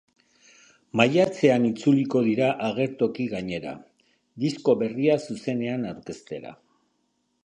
Maiatzean itzuliko dira agertoki gainera, disko berria zuzenean aurkeztera.